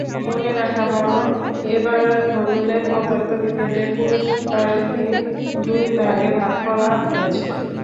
বলে রাখা ভালো, এবার নোবেলের পদার্থবিজ্ঞানের পুরস্কারটি দুটি ভাগে ভাগ করা হয়েছে।